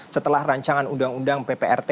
setelah rancangan undang undang pprt